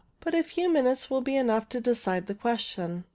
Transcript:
But a few minutes will be enough to decide the question.